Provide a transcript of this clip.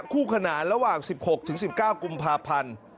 คู่ขนานระหว่าง๑๖ถึง๑๙กุมภาพันธ์